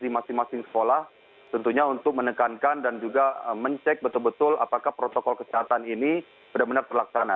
di masing masing sekolah tentunya untuk menekankan dan juga mencek betul betul apakah protokol kesehatan ini benar benar terlaksana